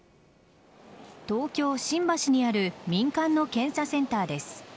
東京・新橋にある民間の検査センターです。